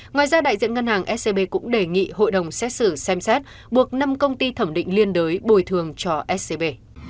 ngoài ra đại diện ngân hàng scb cũng đề nghị hội đồng xét xử xem xét buộc năm công ty thẩm định liên đới bồi thường cho scb